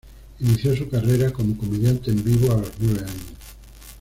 Inició su carrera como comediante en vivo a los nueve años.